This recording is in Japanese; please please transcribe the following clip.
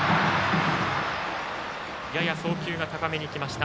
やや送球が高めに浮きました。